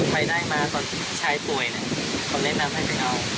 ไปได้มาตอนชายป่วยต้องเล่นน้ำให้ไปเอา